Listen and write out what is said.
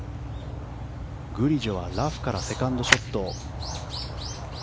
グリジョはラフからセカンドショット。